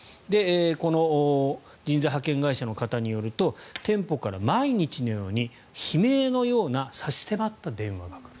この人材派遣会社の方によると店舗から毎日にように悲鳴のような差し迫った電話が来る。